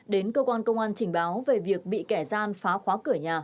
đến cơ quan công an trình báo về việc bị kẻ gian phá khóa cửa nhà